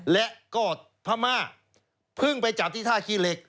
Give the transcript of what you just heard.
และก็พม่าเพิ่งไปจับที่ท่าขี้เหล็ก